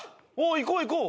行こう行こう！